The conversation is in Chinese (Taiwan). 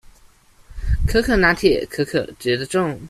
可可拿鐵，可可覺得重